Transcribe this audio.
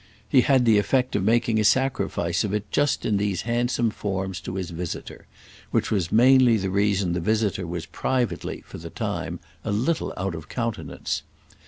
He had the effect of making a sacrifice of it just in these handsome forms to his visitor; which was mainly the reason the visitor was privately, for the time, a little out of countenance.